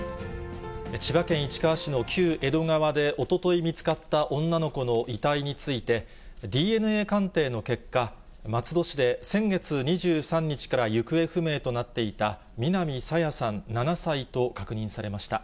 千葉県市川市の旧江戸川で、おととい見つかった女の子の遺体について、ＤＮＡ鑑定の結果、松戸市で先月２３日から行方不明となっていた南朝芽さん７歳と確認されました。